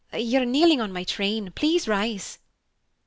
You are kneeling on my train. Please rise."